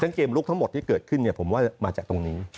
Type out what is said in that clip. เกมลุกทั้งหมดที่เกิดขึ้นผมว่ามาจากตรงนี้